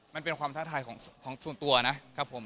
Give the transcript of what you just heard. มันเป็นความท้าทายของส่วนตัวนะครับผม